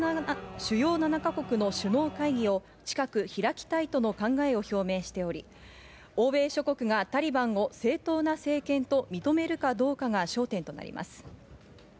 イギリスのジョンソン首相はＧ７＝主要７か国の首脳会談を近く開きたいとの考えを表明しており、欧米諸国がタリバンを正当な政権と認めるかどうかが焦点となります。